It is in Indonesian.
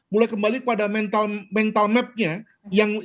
mulai kembali pada mental map nya yang semula